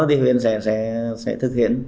thì huyện sẽ thực hiện